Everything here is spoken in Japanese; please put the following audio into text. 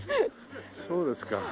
そうですか。